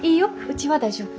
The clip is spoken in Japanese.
うちは大丈夫。